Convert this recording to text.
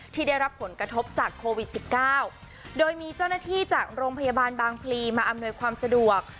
ที่ได้รับผลกระทบจากโควิดสิบเก้าโดยมีเจ้าหน้าที่จากโรงพยาบาลบางพลีมาอำนวยความสะดวก